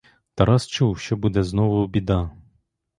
Тарас чув, що буде знову біда.